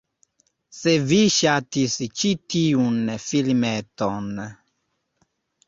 Se vi ŝatis ĉi tiun filmeton